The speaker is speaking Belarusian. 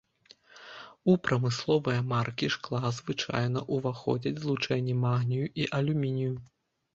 У прамысловыя маркі шкла звычайна ўваходзяць злучэнні магнію і алюмінію.